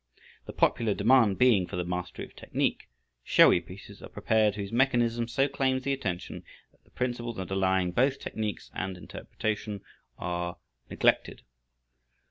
The popular demand being for the mastery of technique, showy pieces are prepared whose mechanism so claims the attention that the principles underlying both technics and interpretation are neglected.